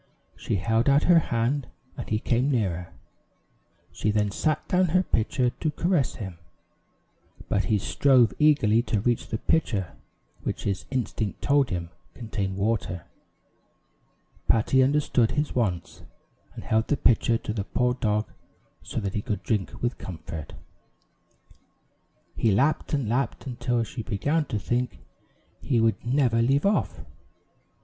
She held out her hand, and he came nearer. She then set down her pitcher to caress him, but he strove eagerly to reach the pitcher which his instinct told him contained water. Patty understood his wants, and held the pitcher to the poor dog so that he could drink with comfort. He lapped and lapped, until she began to think he would never leave off.